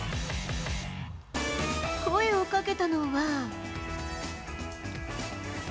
声をかけたのは。